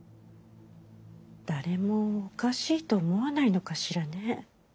誰もおかしいと思わないのかしらね。